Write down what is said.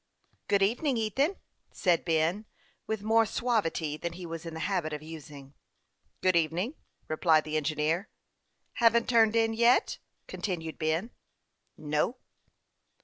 " Good evening, Ethan," said Ben, with more suavity than he was in the habit of using. " Good evening," replied the engineer. " Haven't turned in yet ?" continued Ben. "No."